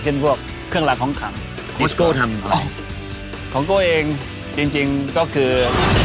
เป็นพวกเครื่องหลักของของของก็เองจริงก็คือ